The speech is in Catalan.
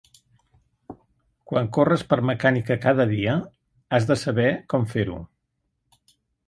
Quan corres per mecànica cada dia, has de saber com fer-ho.